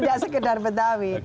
tidak sekedar betawi